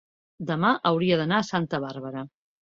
demà hauria d'anar a Santa Bàrbara.